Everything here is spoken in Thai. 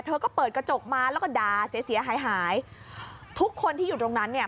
เธอก็เปิดกระจกมาแล้วก็ด่าเสียหายหายทุกคนที่อยู่ตรงนั้นเนี่ย